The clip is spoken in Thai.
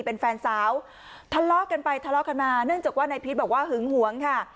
เป็นแฟนสาวทะเลาะกันไปทะเลาะกันมาเนื่องจากว่านายพีชบอกว่าหึงหวงค่ะ